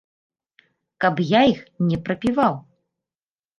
Каб я іх не прапіваў.